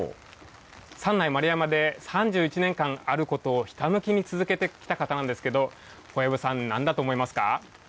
三内丸山で３１年間あることをひたむきに続けてきた方なんですけど小籔さん、何だと思いますか。